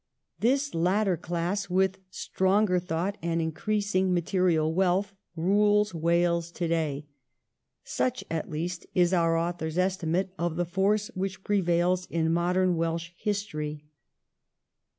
This latter class 'with stronger thought and increasing material wealth, rules Wales to day' — such at least is our author's estimate of the force which prevails in modern Welsh history.